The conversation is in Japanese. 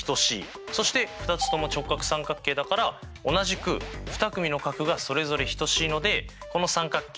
そして２つとも直角三角形だから同じく２組の角がそれぞれ等しいのでこの三角形